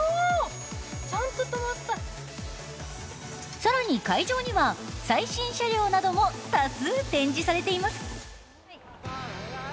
更に、会場には最新車両なども多数展示されています。